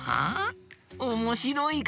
おもしろいかたち！